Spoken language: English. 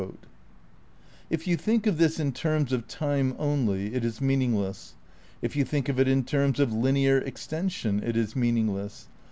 If you think of this in terms of time only it is mean ingless. If you think of it in terms of linear extension it is meaningless.